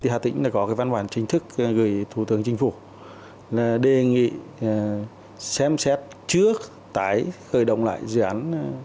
hà tĩnh có văn bản chính thức gửi thủ tướng chính phủ đề nghị xem xét trước tái khởi động lại dự án